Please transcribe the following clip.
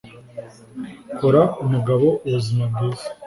kora umugabo ubuzima bwiza,